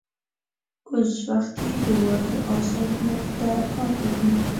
اوس وخت یې یوازې اثار موږ ته پاتې دي.